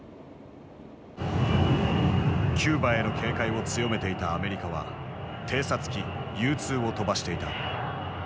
キューバへの警戒を強めていたアメリカは偵察機Ｕ−２を飛ばしていた。